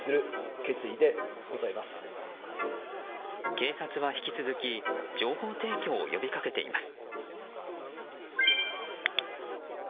警察は引き続き情報提供を呼びかけています。